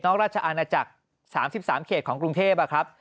ราชอาณาจักร๓๓เขตของกรุงเทพครับ